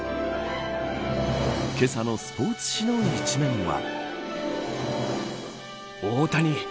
けさのスポーツ紙の１面は。